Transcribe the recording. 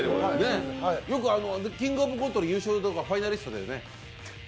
よく、「キングオブコント」の優勝とか、ファイナリストだよね？